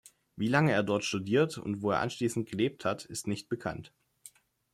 Wie lange er dort studiert und wo er anschließend gelebt hat, ist nicht bekannt.